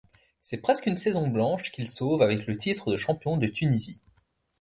C'est presque une saison blanche qu'il sauve avec le titre de champion de Tunisie.